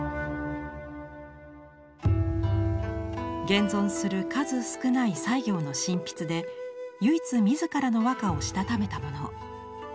現存する数少ない西行の真筆で唯一自らの和歌をしたためたもの。